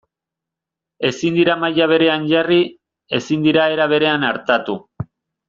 Ezin dira maila berean jarri, ezin dira era berean artatu.